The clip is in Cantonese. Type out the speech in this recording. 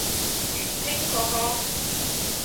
粵拼嗰個？